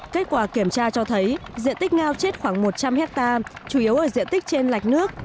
kết quả kiểm tra cho thấy diện tích ngao chết khoảng một trăm linh hectare chủ yếu ở diện tích trên lạch nước